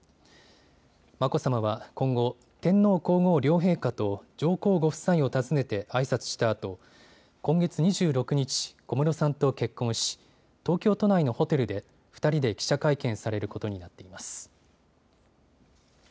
眞子さまは今後、天皇皇后両陛下と上皇ご夫妻を訪ねてあいさつしたあと今月２６日、小室さんと結婚し東京都内のホテルで２人で記者会見されることになっています。